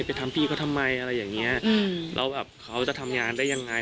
ไปทำพี่เขาทำไมอะไรอย่างเงี้ยแล้วแบบเขาจะทำงานได้ยังไง